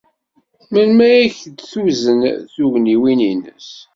Melmi ay ak-d-tuzen tugniwin-nnes?